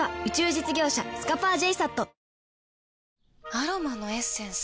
アロマのエッセンス？